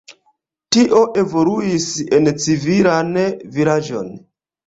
Tio evoluis en civilan vilaĝon.